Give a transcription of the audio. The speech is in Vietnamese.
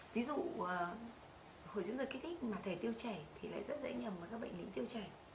ví dụ hội chứng ruột kích thích mà thể tiêu chảy thì lại rất dễ nhầm với các bệnh lý tiêu chảy